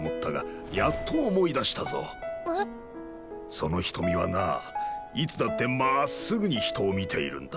その瞳はないつだってまっすぐに人を見ているんだ。